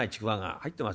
入ってます？